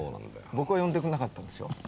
僕は呼んでくれなかったんですよ。